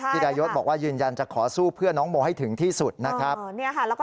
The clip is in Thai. ดายศบอกว่ายืนยันจะขอสู้เพื่อน้องโมให้ถึงที่สุดนะครับ